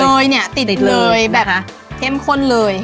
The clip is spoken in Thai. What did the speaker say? เลยเนี่ยติดเลยแบบเข้มข้นเลย